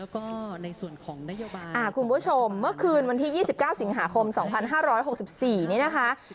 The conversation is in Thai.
คุณผู้ชมเมื่อคืนวันที่๒๙สิงหาคม๒๕๖๔นี้นะคะ